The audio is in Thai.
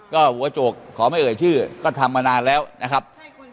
ก็หัวโจกขอไม่เอ่ยชื่อก็ทำมานานแล้วนะครับ